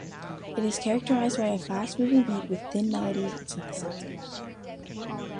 It is characterized by a fast moving beat with thin melodies and synthesizers.